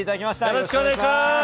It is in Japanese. よろしくお願いします。